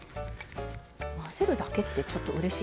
混ぜるだけってちょっとうれしい。